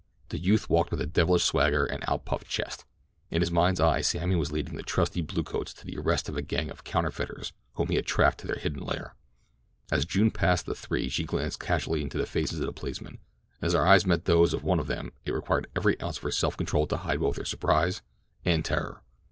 The youth walked with devilish swagger and outpuffed chest. In his mind's eye Sammy was leading his trusty bluecoats to the arrest of a gang of counterfeiters whom he had tracked to their hidden lair. As June passed the three she glanced casually into the faces of the policemen, and as her eyes met those of one of them it required every ounce of her self control to hide both her surprise and terror.